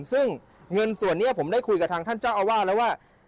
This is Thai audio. ซึ่งเงินส่วนนี้ผมได้คุยกับทางท่านเจ้าอาวาสแล้วว่า